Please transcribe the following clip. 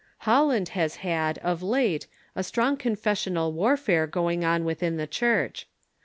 Holland has had, of late, a strong confessional warfare go ing on within the Church.